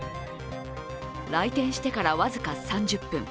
来店してから僅か３０分。